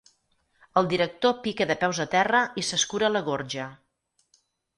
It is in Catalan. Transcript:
El director pica de peus a terra i s'escura la gorja.